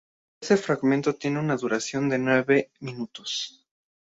Este fragmento tiene una duración de unos nueve minutos.